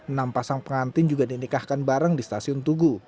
enam pasang pengantin juga dinikahkan bareng di stasiun tugu